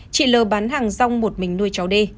chị l bán hàng rong một mình nuôi cháu đi